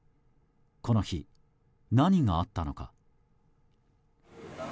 この日、何があったのか。